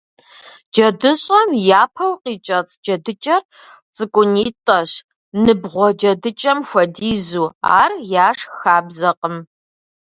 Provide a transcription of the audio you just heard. Джэдыщӏэм япэу къикӏэцӏ джэдыкӏэр цӏыкӏунитӏэщ, ныбгъуэ джэдыкӏэм хуэдизу, ар яшх хабзэкъым.